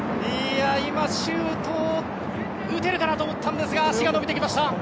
今、シュートを打てるかなと思ったんですが足が伸びてきました。